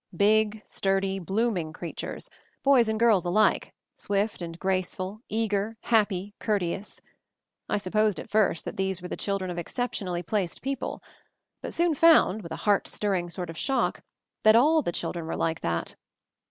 Big, sturdy, blooming creatures, boys and girls alike, swift and graceful, eager, happy, courteous — I supposed at first that these were the children of exceptionally placed people ; but soon found, with a heart stirring sort of shock, that all the children were like that.